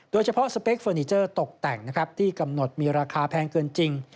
โดยเฉพาะสเปกเฟอร์นิเจอร์ตกแต่งที่กำหนดมีราคาแพงเกินจริง